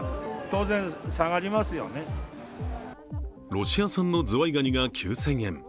ロシア産のズワイガニが９０００円。